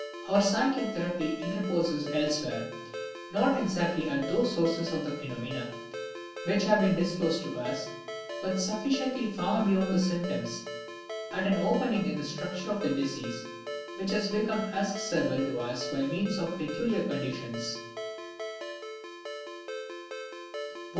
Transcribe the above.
Our psychic therapy interposes elsewhere, not exactly at those sources of the phenomena which have been disclosed to us, but sufficiently far beyond the symptoms, at an opening in the structure of the disease which has become accessible to us by means of peculiar conditions.